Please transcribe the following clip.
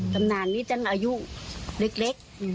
กำนานนี้เพราะเจ้าหายในอายุเล็ก